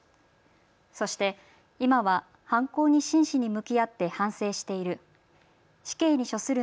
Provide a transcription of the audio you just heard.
そして今は犯行に真摯に向き合って反省している。